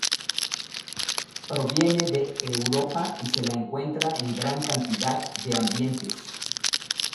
Proviene de Europa y se la encuentra en gran cantidad de ambientes.